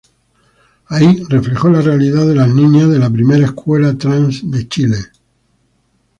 Ahí reflejó la realidad de las niñas de la primera escuela trans de Chile.